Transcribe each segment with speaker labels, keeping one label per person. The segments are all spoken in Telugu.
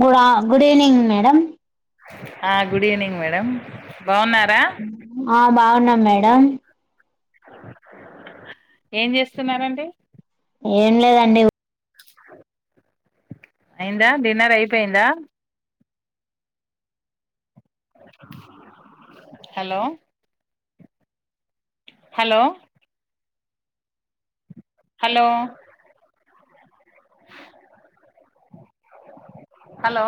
Speaker 1: గుడ్ ఆ గుడ్ ఈవెనింగ్ మేడం
Speaker 2: ఆ గుడ్ ఈవెనింగ్ మేడం బాగున్నారా
Speaker 1: ఆ బాగున్నాం మేడం
Speaker 2: ఏం చేస్తున్నారండి
Speaker 1: ఏం లేదండి
Speaker 2: అయిందా డిన్నర్ అయిపోయిందా hello hello hello hello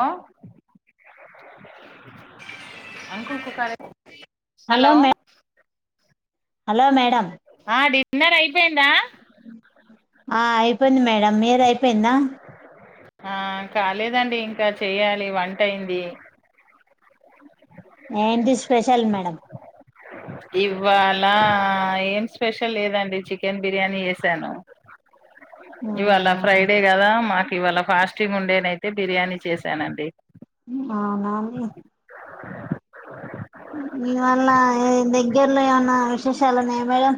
Speaker 2: hello
Speaker 1: hello madam
Speaker 2: ఆ డిన్నర్ అయిపోయిందా
Speaker 1: ఆ అయిపోయింది మేడం మీది అయిపోయిందా
Speaker 2: ఆ కాలేదండి ఇంకా చెయ్యాలి వంట అయింది
Speaker 1: ఏంటి స్పెషల్ మేడం
Speaker 2: ఇవ్వాల ఏం స్పెషల్ లేదండి చికెన్ బిర్యానీ చేసాను ఇవాల
Speaker 1: అవునా
Speaker 2: ఫ్రైడే కదా మా ఇవాళ ఫాస్టింగ్ ఉండేనయితే బిర్యానీ చేశానండి
Speaker 1: అ నా ఇవల్ళ దగ్గర్లో ఏమన్నా విశేషాలున్నాయా మేడం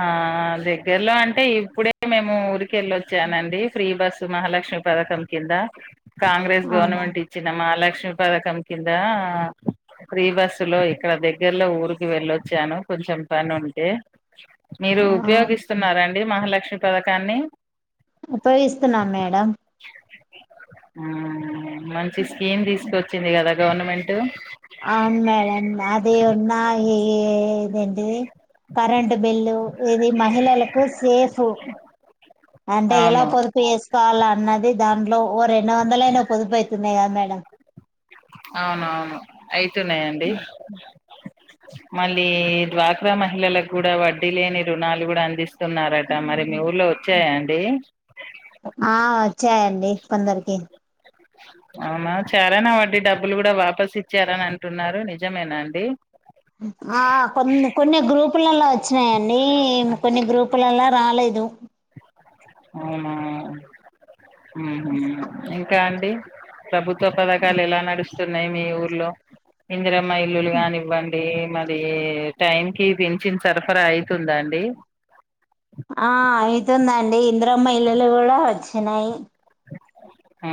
Speaker 2: ఆ దగ్గరలో అంటే ఇప్పుడే మేము ఉఊరికి ెళ్ళొచ్చానండి ఫ్రీ బస్సు మహాలక్ష్మి పథకం కింద కాంగ్రెస్
Speaker 1: అవునా
Speaker 2: గవర్నమెంట్ ఇచ్చినమా అలాగే లక్ష్మీ పథకం కింద ప్రీ బస్సు లో ఇక్కడ దగ్గరలో ఊరికి వెళ్ళొచ్చాను కొంచెం పని ఉంటే మీరు ఉపయోగిస్తున్నండి మహాలక్ష్మి పథకాన్ని
Speaker 1: ఉపయోగిస్తున్నాం మేడం
Speaker 2: మంచి స్కీమ్ తీసుకొచ్చింది కదా గవర్నమెంట్
Speaker 1: అవును మేడంమ్ అదే ఉన్నా ఇదేంటిది కరెంటు బిల్లు ఇది మహిళలకు సేఫ్ అంటే ఇలా
Speaker 2: అవును
Speaker 1: పొదుపు వేసుకోవాలంట అన్నది దాంట్లో ఓ రెండు వందల అయినా పొదుపు అయితుంది కదా మేడం
Speaker 2: అవునవును అయితున్నాయంండి మళ్ళీ దవాక మహిళలకు కూడా వడ్డీ లేని రుణాలు కూడా అందిస్త స్తున్నారట మరి మీ ఊర్లో వచ్చాయా అండి
Speaker 1: ఆ వచ్చాయండి కొందరికి
Speaker 2: అవునా చేరానా వడ్డీ డబ్బులు కూడా వాపస్ ఇచ్చారని అంటున్నారు నిజమేనా అండి
Speaker 1: ఆ కొన్ని కొన్ని గ్రూపులలో వచ్చినాయంండి కొన్ని గ్రూపులలో రాలేదు రు
Speaker 2: అవు ఇంకా అండి ప్రభు వ పథకాలు ఎలా నడుస్తున్నాయి మీ ఊర్లో ఇందిరమ్మ ఇల్లులు కానివ్వండి మరి టైం కి పెంచిన సరఫరా అవుతుందా అండి
Speaker 1: ఆ అయితుందండి ఇంద్ర మ ఇళలు కూడా వచ్చినాయి
Speaker 2: హ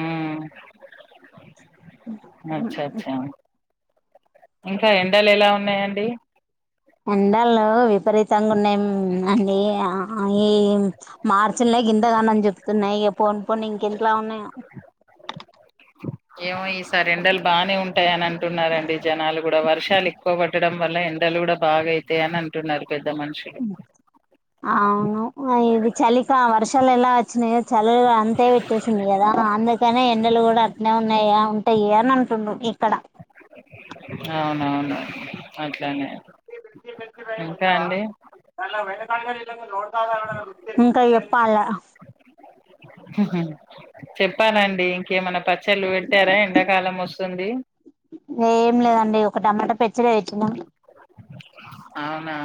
Speaker 2: అచ్చా అచ్చా ఇంకా ఎండలు ఎలా ఉన్నాయంండి
Speaker 1: ఎడాలు విపరీతంగా ఉన్నా అండి ఈ మార్చలే గ ఇంతగానని చెప్తున్నాయి ఇక పోన్ పోన్ ఇంకంట్లా ఉన్నాయి
Speaker 2: ఏమో ఈసార్ రెండలు బానే ఉంటాయిని అంటున్నారండి జనాలు కూడా వర్ష షాలు ఎక్కువ పట్టడం వల్ల ఎండలు కూడా బాగైతాయి అని అంటున్నారు పెద్ద మనుషులు
Speaker 1: అవును ఇది చలిక వర్షాలు ఎలా వచ్చినాయో చలి అంతే పెట్టేసింది కదా అందుకనే ఎండలు కూడా అట్నే ఉన్నాయా ఉంటాయ అని అంటున్నాడు ఇక్కడ
Speaker 2: అవునవును అట్లనే
Speaker 1: పె పె ఎన్నవా న ఇంకాయ చెప్పాల
Speaker 2: చెప్పాలండి ఇంకేమనా పచ్చళ్ళు పెట్టారా ఎండాకాలం వస్తు వచ్చండి
Speaker 1: ఏం లేదండి ఒక టమాటా పెచ్చర పెట్నాం
Speaker 2: అవునా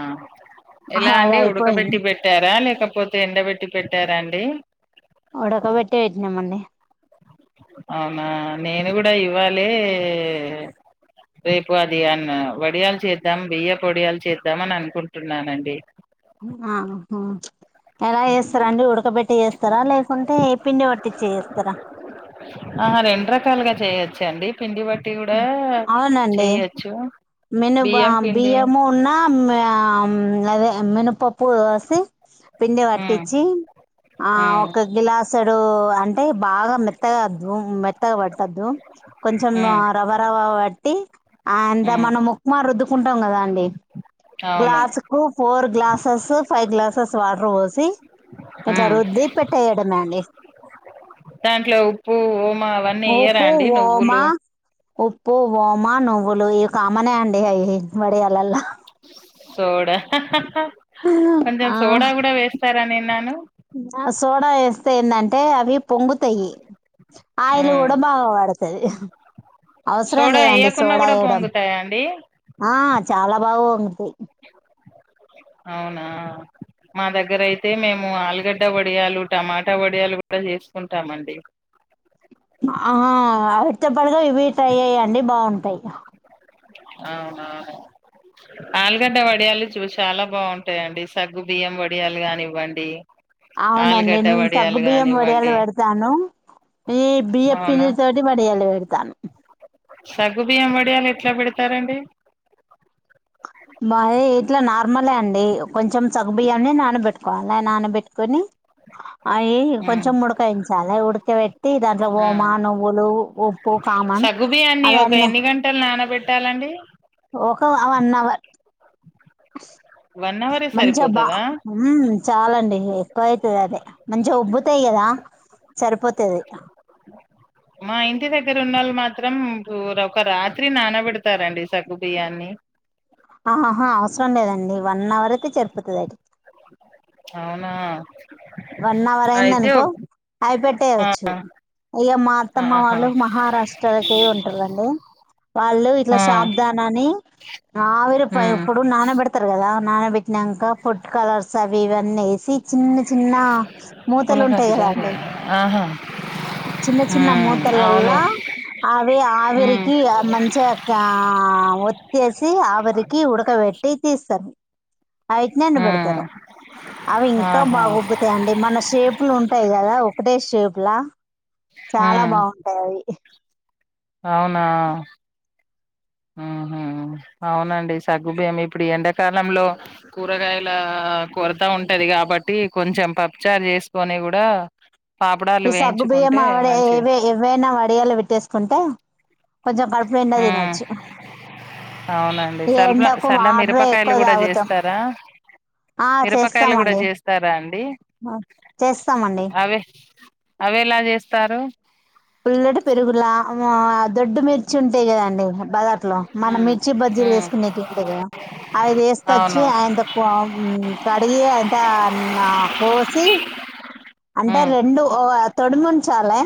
Speaker 2: ఎలా
Speaker 1: అది
Speaker 2: అండి
Speaker 1: అయిపోయింది
Speaker 2: ఉడకబెట్టి పెట్టారా లే కాకపోతే ఎండబెట్టి పెట్టారాండి
Speaker 1: ఉడకబట్టే పెట్నామండి
Speaker 2: అవునా నేను కూడా ఇవ్వాలి రేపు అది అన్న వడియాలు చేద్దాం బియ్య పొడియాలు చేద్దాం అని అనుకుంటున్నానండి
Speaker 1: ఆ ఎలా చేస్తారా అండి ఉడకబెట్టి చేస్తారా లేకుంటే పిండి పట్టిచ్చే చేస్తారా
Speaker 2: ఆహా రెండు రకాలుగా చేయొచ్చు అండి పిండి బట్టి కూడా చేయచ్చు
Speaker 1: మిను బ బియ్యము ఉన్న అదే మినపప్పు ఏసీ పిండి
Speaker 2: ఉమ్
Speaker 1: పట్టించి ఆ
Speaker 2: ఉమ్
Speaker 1: ఒక గ్లాసడు అంటే బాగా మెత్తగ దు మెత్తగా పట్టద్దు కొంచెం
Speaker 2: ఉమ్
Speaker 1: రవ్వ రవ్వ ప ట్టి ఆ
Speaker 2: ఉమ్
Speaker 1: మనం ఉక్మా రుద్దుకుంటం కదాండి
Speaker 2: అవును
Speaker 1: గ్లాసు కు four glasses five glasses water పోసి ఇట్ల
Speaker 2: ఉమ్
Speaker 1: రుద్ది పెట్టేయడమే అండి
Speaker 2: దాంట్లో ఉప్పు ఓమా అవన్నీ ఎయ్యరా
Speaker 1: ఉప్పు
Speaker 2: అండి
Speaker 1: ఓమా
Speaker 2: నువ్వులు
Speaker 1: ఉప్పు వోమా నువ్వులు ఇవి కామనే అండి అవి వడియాలల్ల
Speaker 2: సోడ కొంచెం
Speaker 1: ఆ
Speaker 2: సోడా కూడా వేస్తారని విన్నాను
Speaker 1: ఎస్తే ఏంటంటే అవి పొంగుతయి ఆయిలు
Speaker 2: ఉమ్
Speaker 1: కూడా బాగా పడుతది అవసరం
Speaker 2: సోడా
Speaker 1: లేదండి
Speaker 2: వేయకున్నా
Speaker 1: సోడా
Speaker 2: కూడా
Speaker 1: వేయడం
Speaker 2: పొంగుతాయా అండి
Speaker 1: ఆ చాలా బాగ పొంగుతయి
Speaker 2: అవునా మా దగ్గర అయితే మేము ఆలుగడ్డ వడియాలు టమాటా వడియాలు కూడా చేసుకుంటామండి
Speaker 1: ఆ వాటితో పాటుగా ఇవి ట్రై చేయండి బాగుంటయి
Speaker 2: అవునవును ఆలుగడ్డ వడియాలు చూ చాలా బాగుంటాయండి సగ్గు బియ్యం వడియాలు కానివ్వండి
Speaker 1: అవునండి
Speaker 2: ఆలుగడ్డ
Speaker 1: నేను సగ్గు
Speaker 2: వడియాలు
Speaker 1: బియ్యం వడియాలు
Speaker 2: కానివ్వండి
Speaker 1: పెడతాను ఈ
Speaker 2: అవునా
Speaker 1: బియ్యప్పిండి తోటి వడియాలు పెడతాను
Speaker 2: సగ్గు బియ్యం వడియాలు ఎట్ల పెడతారండి
Speaker 1: బాగా ఇట్ల నార్మల్ లే అండి కొంచెం సగ్గు బియ్యాన్ని నానబెట్టుకోవాలే నానబెట్టుకొని అవి
Speaker 2: ఉమ్
Speaker 1: కొంచెం ఉడకయించాలి ఉడకబెట్టి దాంట్లో ఓమా నువ్వులు ఉప్పు కామన్
Speaker 2: సగ్గుబియ్యాన్ని ఒక
Speaker 1: అవన్నీ
Speaker 2: ఎన్ని గంటలు పెట్టాలండి
Speaker 1: ఒక వన్ అవర్
Speaker 2: వన్ అవరే
Speaker 1: మంచిగ బాగా
Speaker 2: సరిపోతదా
Speaker 1: ఉమ్ చాలండి ఎక్కువ అవుతది అదే మంచిగ ఉబ్బుతయి కదా సరిపోత
Speaker 2: మా ఇంటి దగ్గర ఉన్నోళ్లు మా త్రం ఒక రాత్రి నానబెడతారండి సగ్గు బియ్యాన్ని
Speaker 1: ఆహాహ అవసరం లేదండి వన్ అవర్ అయితే సరిపోతది అది
Speaker 2: అవునా
Speaker 1: వన్ అవర్
Speaker 2: అయితే
Speaker 1: అయిందనుకో
Speaker 2: ఒ
Speaker 1: అవి పెట్టేయచ్చు
Speaker 2: ఆ
Speaker 1: ఇగ మా అత్తమ్మ
Speaker 2: ఆహా
Speaker 1: వాళ్ళు మహారాష్ట్ర వైపు ఉంటరు కదండి వాళ్ళు ఇట్ల
Speaker 2: ఆ
Speaker 1: షాబ్దాన అని ఆవిరి
Speaker 2: ఉమ్
Speaker 1: ఇప్పుడు నాన పెడతరు కదా నానబెట్టినంక ఫుడ్ కలర్స్ అవి ఇవన్నీ వేసి చిన్న చిన్న మూతలు ఉంటయి
Speaker 2: ములకాకి
Speaker 1: కదా
Speaker 2: జారే
Speaker 1: అండి
Speaker 2: ఆహా
Speaker 1: చిన్న చిన్న
Speaker 2: ఉమ్ అవును
Speaker 1: మూతలల్లా అవి
Speaker 2: ఉమ్
Speaker 1: ఆవిరికి మంచిగా ఆ ఒత్తేసి ఆవిరికి ఉడకపె పెట్టి తీస్తరు అవిటిని
Speaker 2: ఉమ్
Speaker 1: ఎండబెడతరు అవి ఇంకా
Speaker 2: ఆహా
Speaker 1: బాగు అండి మన షేపులు ఉంటయి కదా ఒకటే షేప్ లా చాలా
Speaker 2: ఉమ్
Speaker 1: బాగుంటయి అవి ఆ
Speaker 2: అవునా ఆహా అవునండి సగ్గుబియ్యము ఇప్పుడు ఎండాకాలంలో కూరగాయల కొరత ఉంట ది కాబట్టి కొంచెం పప్పుచారు చేసుకొని కూడా పాపడాలు
Speaker 1: ఈ సగ్గు బియ్యం
Speaker 2: వేయించుకుంటే
Speaker 1: ఆవిడ
Speaker 2: మంచి
Speaker 1: ఏవ ఏవైనా వడియాలో పెట్టేసుకుంటే కొంచెం పడుపునిండా
Speaker 2: ఉమ్
Speaker 1: దినచ్చు
Speaker 2: అవునండి
Speaker 1: ఈ
Speaker 2: సల్ల
Speaker 1: ఎండకు
Speaker 2: సల్ల
Speaker 1: వాట్రే
Speaker 2: మిరపకాయలు
Speaker 1: ఎక్కువ
Speaker 2: కూడా
Speaker 1: దాగుతాం
Speaker 2: చేస్తారా మిరపకాయలు గుడా జేస్తారా అండి
Speaker 1: చేస్తామండి
Speaker 2: అవే అవి ఎలా జేస్తారు
Speaker 1: పల్లటి పెరుగుల ఆ వా దొడ్డు మిర్చి ఉం ఉంటాయ్ గదా అండి బజాట్లో మనం
Speaker 2: ఉమ్
Speaker 1: మిర్చి బజ్జీలు
Speaker 2: ఉమ్
Speaker 1: జేసుకునేటివి ఉంటాయ్ గదా అవిదిసుకొచ్చి
Speaker 2: అవును
Speaker 1: ఆయంత కడిగి అయంత కోసి అంటే
Speaker 2: ఉమ్
Speaker 1: రెండు తొడుమున్ చాలే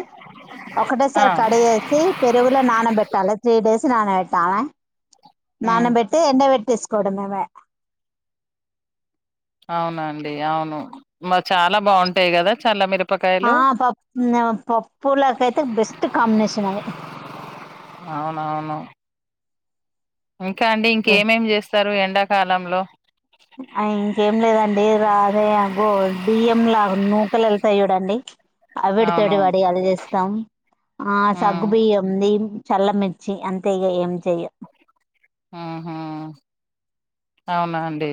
Speaker 1: ఒకటే
Speaker 2: ఆ
Speaker 1: సారి కడిగేసి పెరుగులో నాన బెట్టాలే త్రీ డేస్ నానం బెట్టాలె నాన
Speaker 2: ఉమ్
Speaker 1: బెట్టి ఎండబె ట్టేసుకోవడమేమె
Speaker 2: అవునండి అవును బ చాలా బాంటాయి గదా చాలా మిర
Speaker 1: ఆ పప్ పప్పులకైతే బెస్ట్ కాంబినేషన్ అవి
Speaker 2: అవునవును ఇంకా అండి ఇంకేమేమి జేస్తరు ఎండాకాలంలో
Speaker 1: ఆ ఇంకేం లేదండి రాదే అగో బియ్యం లాగ నూకలెళ్తాయ్ జూడండి ఆవిడి
Speaker 2: అవును
Speaker 1: తోటి వాడియాలు జేస్తాం ఆ సగ్గు
Speaker 2: హ్మ్
Speaker 1: బియ్యం ది చల్లమిర్చి అంతే ఇగా ఏం చెయ్య
Speaker 2: ఆహ అవునా అండి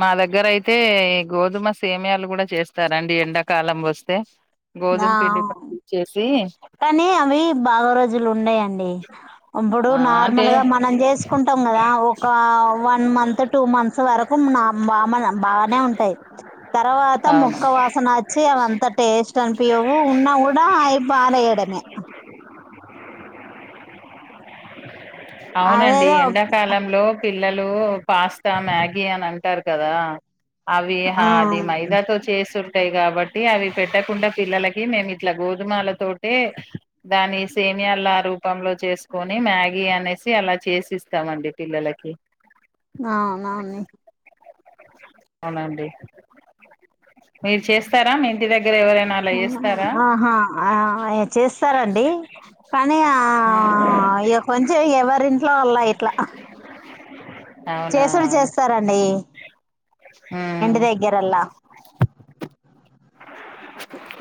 Speaker 2: మా దగ్గర అయితే ఈ గోధుమ సేమ్యా లు గూడా చేస్తారండి ఎండాకాలం వస్తే
Speaker 1: ఆ
Speaker 2: గోధుమ పిండి పట్టిచ్చేసి
Speaker 1: కానీ అవి బాగా రోజులు ఉండాయ యండి అబ్బుడు
Speaker 2: ఆ అంటే
Speaker 1: నార్మల్ గా మనం జేసుకుంటాం గద ఒకా వన్ మంత్ టూ మంత్స్ వరకు నా బామ్మన బానే ఉంటాయ్ తర్వాత
Speaker 2: అవును
Speaker 1: ముక్క వాసన వచ్చి అవంత టేస్ట్ అనిపియ్యవు ఉన్నా గూడా అయి పారేయడమే
Speaker 2: అవునండి
Speaker 1: అదేదో
Speaker 2: ఎండాకాలంలో పిల్లలు పాస్తా మ్యాగీ అని అంటారు కదా అవి హ
Speaker 1: ఆ
Speaker 2: అది మైదాతో చేసుం టాయ్ గాబట్టి అవి పెట్టకుండా పిల్లలకి నేను ఇట్లా గోధుమాల తోటే దాని సేమ్ అన్ని అలా రూపంలో చేసుకొని మ్యాగీ అనేసి అలా చేసిస్తామండి పిల్లలకి
Speaker 1: నవునవుని
Speaker 2: అవునండి మీరు చేస్తారా మీ ఇంటి ద
Speaker 1: ఆహా ఆ చేస్తారండి కానీ ఆ
Speaker 2: ఉమ్.
Speaker 1: ఆ ఇగ కొంచెమే ఎవరింట్లో వాల్ల ఇట్లా
Speaker 2: అవునా
Speaker 1: చేసేవి చేస్తారండి ఇంటి
Speaker 2: ఉమ్.
Speaker 1: దగ్గరల్లా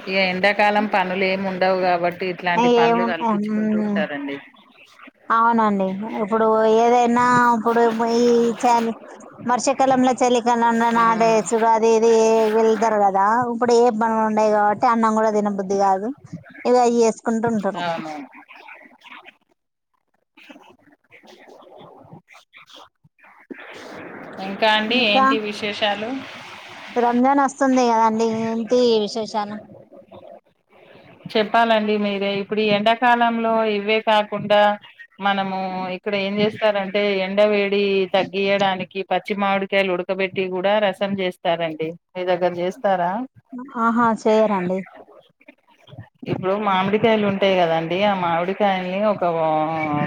Speaker 2: ఇగ ఎండాకాలం పనులు ఏముండవు గాబ ఇట్లాంటి పనులు
Speaker 1: ఏముంటా
Speaker 2: గల్పించ్చుకుంటూ
Speaker 1: మ్మ్
Speaker 2: ఉంటారండి
Speaker 1: అవునండి ఇప్పుడు ఏదైనా ఇప్పుడు ఈ చేన్ వర్షాకాలం చలికనన్నా నాటు
Speaker 2: ఉమ్.
Speaker 1: వేసుడు అది ఇది వెళ్తారు కదా ఇప్పుడు ఎ [unintelligible] ఉండయి గాబట్టి అన్నం గుడా తినబుద్ధది గాదు ఇగ అయి జేసుకుంటూ ఉంటారు
Speaker 2: అవును ఇంకా అండి ఏంటి విశేషాలు
Speaker 1: రంజానొస్తుంది గదండి ఏంటి విశేషాలు
Speaker 2: చెప్పాలండి మీరే ఇప్పుడు ఈ ఎండాకాలంలో ఇవే కాకుండా మనము ఇక్కడ ఏం జేస్తారంటే ఎండ వేడి తగ్గియడానికి పచ్చి మామిడికాయలు ఉడు ఉక్క పెట్టి కూడా రసం చేస్తారండి మీ దగ్గర చే
Speaker 1: ఆహా చేయరండి
Speaker 2: ఇప్పుడు మామిడికాయలు ఉంటాయి కదండి ఆ మామిడికాయల్ని ఒక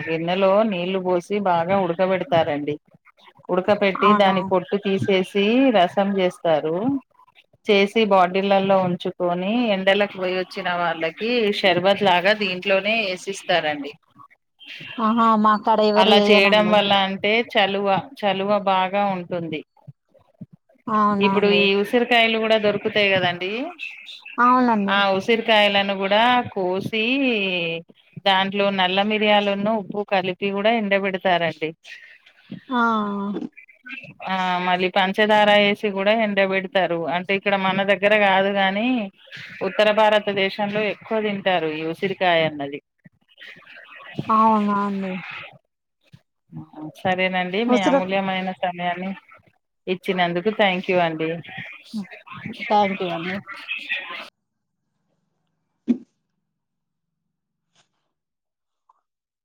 Speaker 2: గిన్నెలో నీళ్లు పోసి బాగా ఉడకబెడతారండి ఉడక పెట్టి
Speaker 1: అవునా
Speaker 2: దాని పొట్టు తీసేసి రసం చేస్తారు చేసి బాడీలలో ఉంచుకొని ఎండలకు పోయి వచ్చిన వాళ్ళకి షర్బత్ లాగా దీంట్లోనే వేసిస్తారండి
Speaker 1: ఆహా మాక్కడ ఎవరు
Speaker 2: అలా చేయడం
Speaker 1: చేయనండి
Speaker 2: వల్ల అంటే చలువ చలువ బాగా ఉంటుంది
Speaker 1: అవునా
Speaker 2: ఇప్పుడు
Speaker 1: అండి
Speaker 2: ఈ ఉసిరికాయలు కూడా దొరుకుతాయి కదండి
Speaker 1: అవునండి
Speaker 2: ఆ ఉసిర్కాయల ల్ల కూడ కోసి దాంట్లో నల్ల మి మియాలున్ను ఉప్పు కలిపి కూడా ఎండబడతారండి
Speaker 1: ఆ
Speaker 2: ఆ మళ్ళీ పంచదార వేసి కూడా ఎండబెడతారు. అంటే ఇక్కడ మన దగ్గర కాదు గాని ఉత్తర భారత దేశంలో ఎక్కువ తింటారు ఈ ఉసిరికాయ అన్నది
Speaker 1: అవునాండి
Speaker 2: సరేనండి మీ
Speaker 1: ఉసిరి
Speaker 2: అమూల్యమైన అని ఇచ్చినందుకు థ్యాంక్ యూ అండి
Speaker 1: థ్యాంక్ యూ అండి